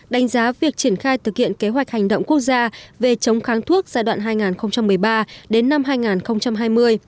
đánh giá việc triển khai thực hiện kế hoạch hành động quốc gia về chống kháng thuốc giai đoạn hai nghìn một mươi ba đến năm hai nghìn hai mươi